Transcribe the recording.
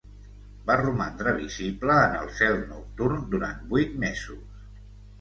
Va romandre visible en el cel nocturn durant vuit mesos.